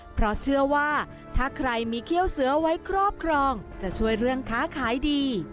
เพราะเชื่อว่าถ้าใครมีเขี้ยวเสือไว้ครอบครองจะช่วยเรื่องค้าขายดี